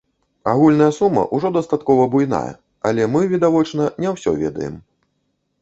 Агульная сума ўжо дастаткова буйная, але мы, відавочна, не ўсё ведаем.